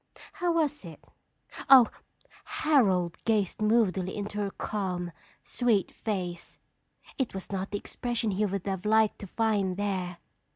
How was it? Oh! "Harold gazed moodily into her calm, sweet face. It was not the expression he would have liked to find there.